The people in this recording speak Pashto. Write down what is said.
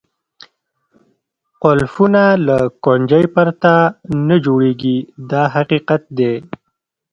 قلفونه له کونجۍ پرته نه جوړېږي دا حقیقت دی.